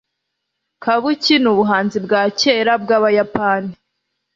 kabuki nubuhanzi bwa kera bwabayapani